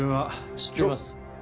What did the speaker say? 知ってます。